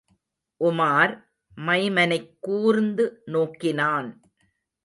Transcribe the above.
உமார் மைமனைக் கூர்ந்து நோக்கினான்.